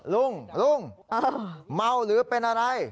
ลุงลุงเมาหรือเป็นอะไร